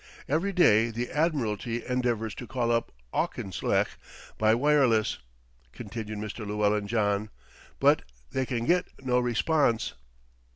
Every day the Admiralty endeavours to call up Auchinlech by wireless," continued Mr. Llewellyn John, "but they can get no response."